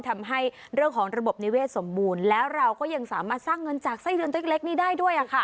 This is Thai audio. ทำให้เรื่องของระบบนิเวศสมบูรณ์แล้วเราก็ยังสามารถสร้างเงินจากไส้เดือนเล็กนี้ได้ด้วย